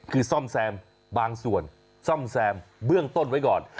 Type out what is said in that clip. คือซ่อมแซมบางส่วนซ่อมแซมเบื้องต้นไว้ก่อน